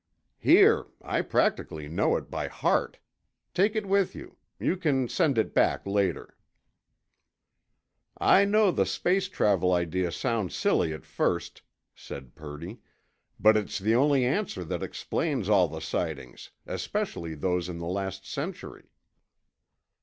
"Here—I practically know it by heart. Take it with you. You can send it back later." "I know the space travel idea sounds silly at first," said Purdy, "but it's the only answer that explains all the sightings especially those in the last century."